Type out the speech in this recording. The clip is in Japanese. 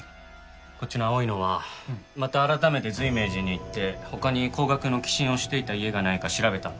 こっちの青いのはまた改めて随明寺に行って他に高額の寄進をしていた家がないか調べたんだ。